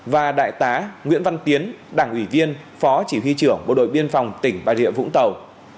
và đại tá nguyễn văn tiến đảng ủy viên phó chỉ huy trưởng bộ đội biên phòng tỉnh bà rịa vũng tàu